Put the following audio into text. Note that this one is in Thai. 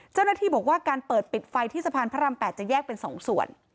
เจ้าหน้าที่บอกว่าการเปิดปิดไฟที่สะพานพระราม๘จะแยกเป็น๒ส่วน